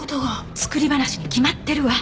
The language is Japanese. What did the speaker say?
作り話に決まってるわ。